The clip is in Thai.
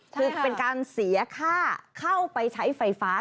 คือเป็นการเสียค่าเข้าไปใช้ไฟฟ้า